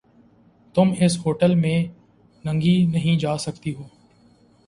تم اِس ہوٹیل میں ننگی نہیں جا سکتی ہو۔